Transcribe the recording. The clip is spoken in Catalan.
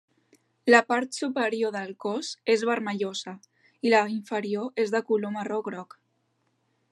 La part superior del cos és vermellosa i la inferior és de color marró-groc.